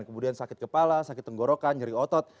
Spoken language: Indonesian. kemudian sakit kepala sakit tenggorokan nyeri otot